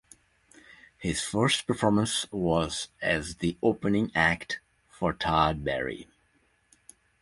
His first performance was as the opening act for Todd Barry.